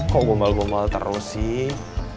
kok gombal gombal terus sih